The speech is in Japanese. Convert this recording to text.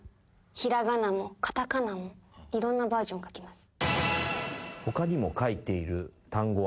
いろんなバージョン書きます。